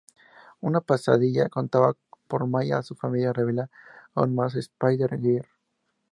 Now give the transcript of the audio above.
Una pesadilla contada por May a su familia revela aún más a Spider-Girl.